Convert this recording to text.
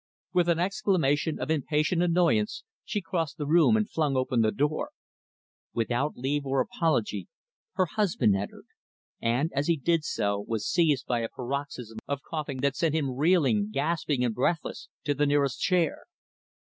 With an exclamation of impatient annoyance, she crossed the room, and flung open the door. Without leave or apology, her husband entered; and, as he did so, was seized by a paroxysm of coughing that sent him reeling, gasping and breathless, to the nearest chair.